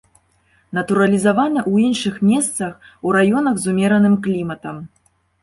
Натуралізаваны ў іншых месцах, у раёнах з умераным кліматам.